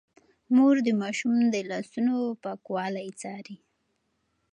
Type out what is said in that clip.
مور د ماشوم د لاسونو پاکوالی څاري.